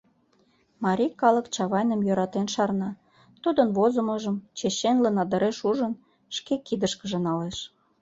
Марий калык Чавайным йӧратен шарна, тудын возымыжым, чеченле надыреш ужын, шке кидышкыже налеш.